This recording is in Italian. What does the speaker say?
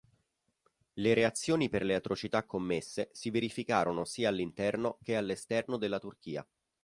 Le reazioni per le atrocità commesse si verificarono sia all'interno che all'esterno della Turchia.